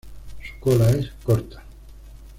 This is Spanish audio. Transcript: Su cola es corta.